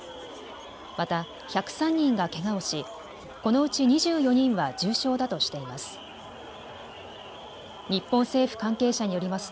また１０３人がけがをしこのうち２４人は重傷だとしています。